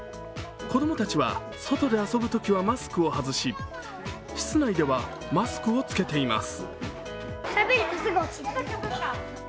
子供たちは外で遊ぶときはマスクを外し、室内ではマスクを着けています。